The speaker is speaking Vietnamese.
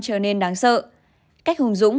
trở nên đáng sợ cách hùng dũng